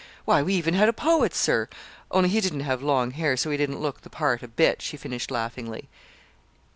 Why, we even had a poet, sir only he didn't have long hair, so he didn't look the part a bit," she finished laughingly.